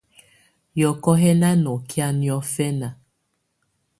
Yɔ̀kɔ̀ yɛ̀ nà nɔkɛ̀á niɔ̀fɛna.